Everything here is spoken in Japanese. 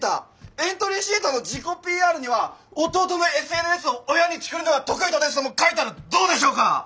エントリーシートの自己ＰＲには弟のＳＮＳを親にチクるのが得意ですとでも書いたらどうでしょうか？